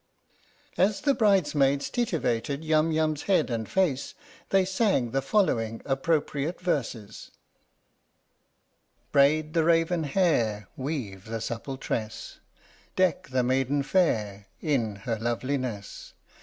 As the bridesmaids titivated Yum Yum's head and face they sang the following appropriate verses : Braid the raven hair, Weave the supple tress, Deck the maiden fair In her loveliness.